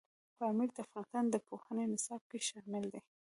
پامیر د افغانستان د پوهنې نصاب کې شامل دي.